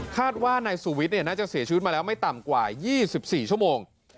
คาดว่านายสุวิทย์น่าจะเสียชีวิตมาแล้วไม่ต่ำกว่า๒๔ชั่วโมง